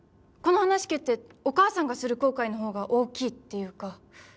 この話蹴ってお母さんがする後悔のほうが大きいっていうか